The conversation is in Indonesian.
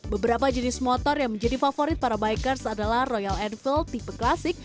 beberapa jenis motor yang menjadi favorit para bikers adalah royal enfield tipe klasik